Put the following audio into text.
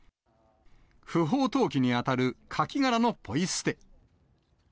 不法投棄に当たるカキ殻のポイ捨て。